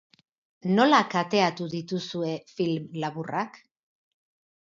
Nola kateatu dituzue film laburrak?